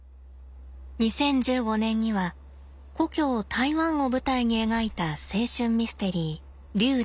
２０１５年には故郷台湾を舞台に描いた青春ミステリー「流」で直木賞を受賞。